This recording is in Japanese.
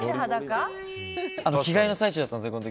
着替えの最中だったんです。